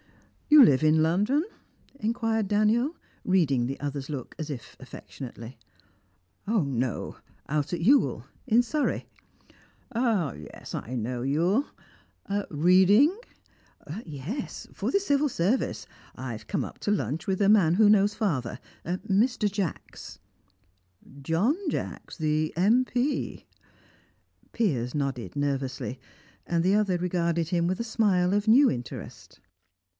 "You live in London?" inquired Daniel, reading the other's look as if affectionately. "No. Out at Ewell in Surrey." "Oh yes, I know Ewell. Reading?" "Yes for the Civil Service. I've come up to lunch with a man who knows father Mr. Jacks." "John Jacks, the M.P.?" Piers nodded nervously, and the other regarded him with a smile of new interest.